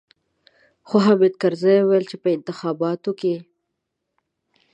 خو حامد کرزي ويل چې په انتخاباتو کې.